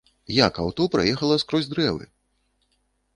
Як аўто праехала скрозь дрэвы?